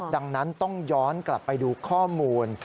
ดังนั้นต้องย้อนกลับไปดูข้อมูล